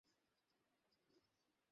এসো, চুমু দাও।